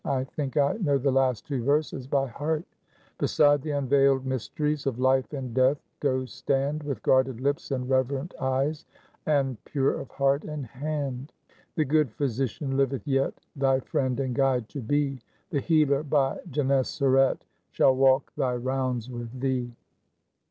I think I know the last two verses by heart, "'Beside the unveiled mysteries Of life and death go stand With guarded lips and reverent eyes And pure of heart and hand. The good physician liveth yet Thy friend and guide to be, The Healer by Gennesaret Shall walk thy rounds with thee.'"